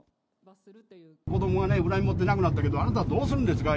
子どもがね、恨みを持って亡くなったけど、あなたはどうするんですか？